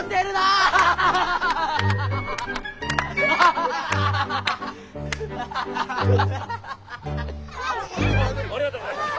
ありがとうございます。